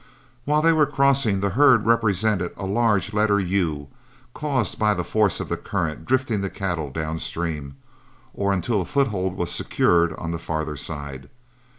While they were crossing, the herd represented a large letter "U," caused by the force of the current drifting the cattle downstream, or until a foothold was secured on the farther side.